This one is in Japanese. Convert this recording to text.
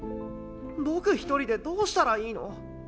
僕一人でどうしたらいいの？